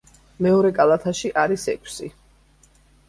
მეორე კალათაში არის ექვსი.